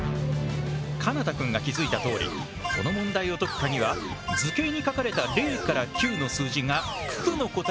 奏多くんが気付いたとおりこの問題を解くカギは図形に書かれた０９の数字が九九の答え